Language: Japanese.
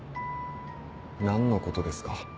何のことですか？